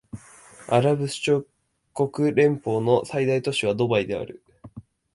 アラブ首長国連邦の最大都市はドバイである